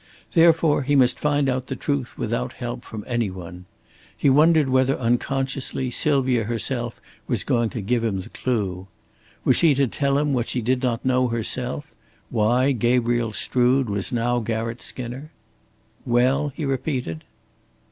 Therefore he must find out the truth without help from any one. He wondered whether unconsciously Sylvia herself was going to give him the clue. Was she to tell him what she did not know herself why Gabriel Strood was now Garratt Skinner? "Well?" he repeated.